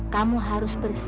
kamu harus berusaha